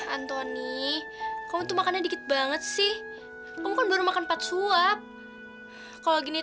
anthony kamu itu makanya dikit banget sih kau mungkin baru makan pad suap kalau gini